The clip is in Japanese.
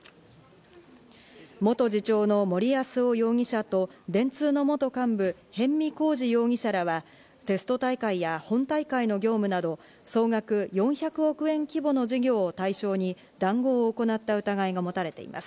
元次長の森泰夫容疑者と電通の元幹部・逸見晃治容疑者らは、テスト大会や本大会の業務など、総額４００億円規模の事業を対象に談合を行った疑いが持たれています。